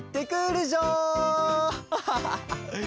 アハハハ！